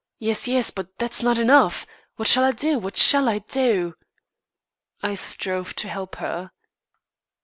"Yes, yes, but that's not enough. What shall I do? What shall I do?" I strove to help her.